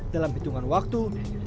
dalam hitungan waktu